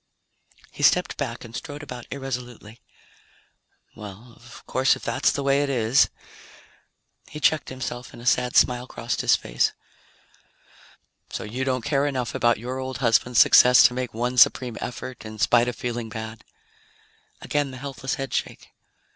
He stepped back and strode about irresolutely. "Well, of course, if that's the way it is ..." He checked himself and a sad smile crossed his face. "So you don't care enough about your old husband's success to make one supreme effort in spite of feeling bad?" Again the helpless headshake.